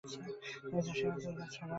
তিনি যা শেখাতে এসেছিলেন, তাই ছড়াও।